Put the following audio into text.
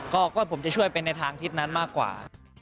ก็ผมจะช่วยไปในทางทิศนั้นมากกว่า